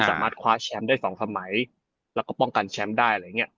ที่สามารถคว้าแชมป์ได้สองสมัยและก็ป้องกันแชมป์ได้